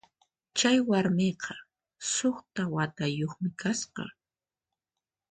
Chay warmiqa suqta wawayuqmi kasqa.